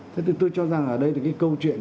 thế thì tôi cho rằng ở đây thì cái câu chuyện